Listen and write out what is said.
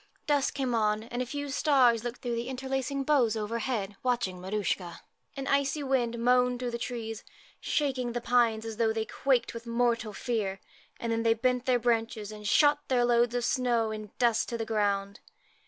Dusk came on, and a few stars looked through the interlacing boughs overhead, watching Maruschka. An icy wind moaned through the trees, shaking the pines as though they quaked with mortal fear, and then they bent their branches and shot their loads of snow in dust to the ground.